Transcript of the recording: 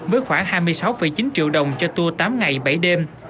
với khoảng hai mươi sáu chín triệu đồng cho tour tám ngày bảy đêm